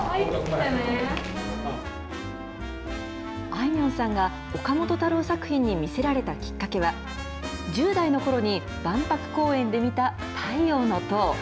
あいみょんさんが岡本太郎作品に魅せられたきっかけは、１０代のころに万博公園で見た太陽の塔。